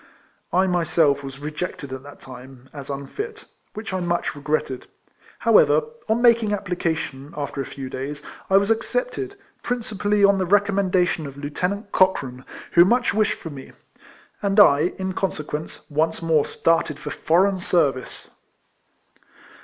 I myself was rejected at that time, as unfit, which I much regretted. However, on making application, after a few days, I was accepted, principally on the recommendation of Lieutenant Cochrane, who much wished for me ; and I, in conse quence, once more started for foreign service.